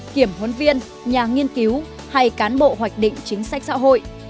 kiểm huấn viên nhà nghiên cứu hay cán bộ hoạch định chính sách xã hội